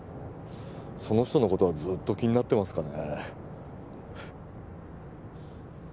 その人のことはずっと気になってますかね